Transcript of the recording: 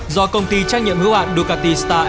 do công ty trách nhiệm hữu hạn ducati star